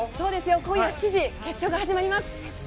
今夜７時決勝が始まります。